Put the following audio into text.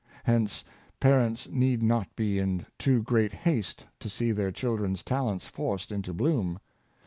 Hence parents need not be in too great haste to see their children's talents forced into bloom.